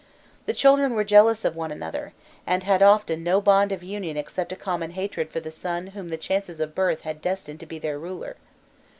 The children were jealous of one another, and had often no bond of union except a common hatred for the son whom the chances of birth had destined to be their ruler.